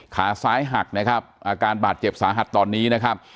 ขาซ้ายหักนะครับอาการบาดเจ็บสาหัสตอนนี้นะครับ